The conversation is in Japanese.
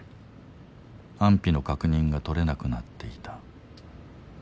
安否の確認が取れなくなっていた。